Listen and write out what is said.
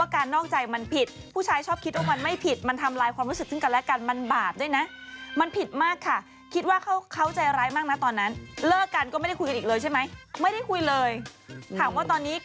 ก็ใช่เลยนะแล้วเมื่อนี้คุยได้ไหมก็ไม่ได้โกรธแล้ว